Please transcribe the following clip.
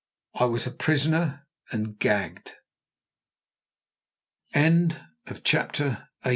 I was a prisoner and gagged. CHAPTER XIX.